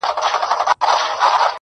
د زمري داسي تابع وو لکه مړی!!